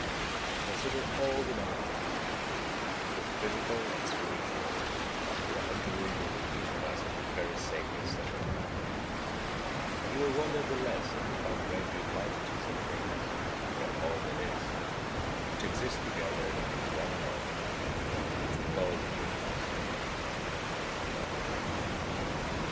25. Consider all the many things, both physical and spiritual, that are adoing within each of us at the very same instant of time; and you will wonder the less at the far greater multitudes of things, even all that is, which exist together in the one and all which we call the Universe.